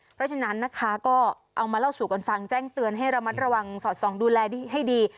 เพราะฉะนั้นนะคะก็เอามาเล่าสู่กันฟังแจ้งเตือนให้ระมัดระวังสอดส่องดูแลให้ดี